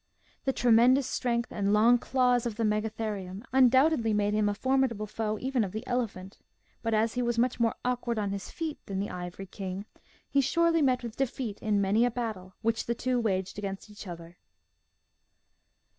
The tremendous strength and long claws of the Megatherium undoubtedly made him a formidable foe even of the elephant. But, as he was much more awkward on his feet than the Ivory King, he surely met with defeat in many a battle which the two waged against each other.